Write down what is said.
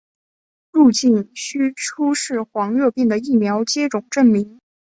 入境须出示黄热病的疫苗接种证明。